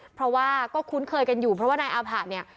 เพราะว่าก็คุ้นเคยกันอยู่เพราะว่านายอาผะเนี่ย